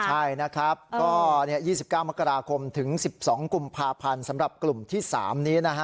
ใช่นะครับก็๒๙มกราคมถึง๑๒กุมภาพันธ์สำหรับกลุ่มที่๓นี้นะฮะ